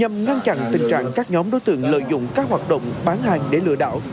nhằm ngăn chặn tình trạng các nhóm đối tượng lợi dụng các hoạt động bán hàng để lừa đảo